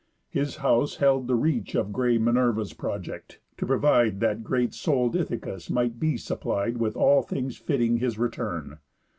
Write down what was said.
His house held the reach Of grey Minerva's project, to provide That great soul'd Ithacus might be supplied With all things fitting his return.